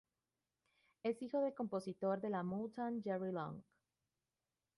Es hijo del compositor de la Motown Jerry Long.